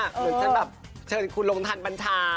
เหมือนเชิญคุณหลงทานปัญชา